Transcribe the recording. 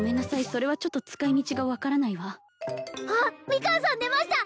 それはちょっと使い道が分からないわあっミカンさん出ました！